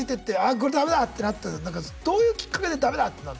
これダメだってなったのどういうきっかけでダメだってなるの？